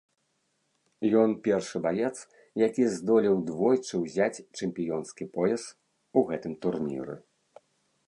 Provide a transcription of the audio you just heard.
Ён першы баец, які здолеў двойчы ўзяць чэмпіёнскі пояс у гэтым турніры.